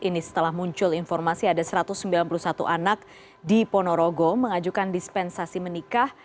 ini setelah muncul informasi ada satu ratus sembilan puluh satu anak di ponorogo mengajukan dispensasi menikah